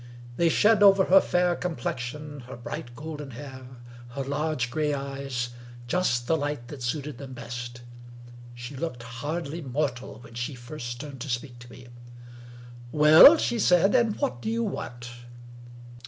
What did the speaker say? They shed over her fair complexion, her bright golden hair, her large gray eyes, just the light that suited them best. She looked hardly mortal when she first turned to speak to me. "Well?" she said. "And what do you want?"